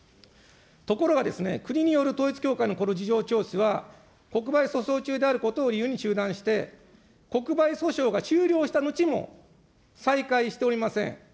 ところが国による統一教会のこの事情聴取は、国賠訴訟中であることを理由に中断して、国賠訴訟が終了したのちも、再開しておりません。